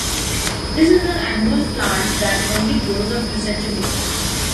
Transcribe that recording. This is an annual plant that only grows a few centimeters.